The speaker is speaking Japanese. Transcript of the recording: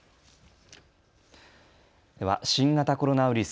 では新型コロナウイルス。